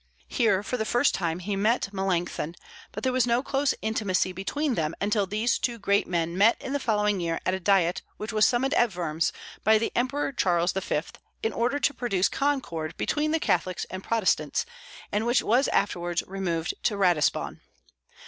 Here, for the first time, he met Melancthon; but there was no close intimacy between them until these two great men met in the following year at a Diet which was summoned at Worms by the Emperor Charles V., in order to produce concord between the Catholics and Protestants, and which was afterwards removed to Ratisbon.